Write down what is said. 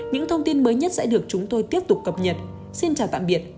những thông tin mới nhất sẽ được chúng tôi chia sẻ